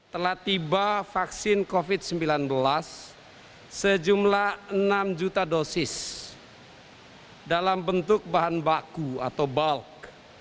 telah tiba vaksin covid sembilan belas sejumlah enam juta dosis dalam bentuk bahan baku atau bulk